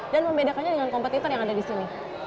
dan membedakannya dengan kompetitor yang ada di sini